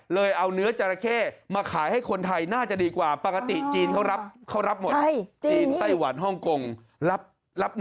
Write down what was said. เฮ้ยตาผมเพี้ยนไปไหมเนี่ยทำไมเนื้อมันกระตุกอ่ะ